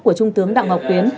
của trung tướng đặng mọc tuyến